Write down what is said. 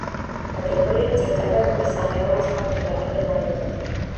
აგებულია ძირითადად მესამეულის კონტინენტური ნალექებით.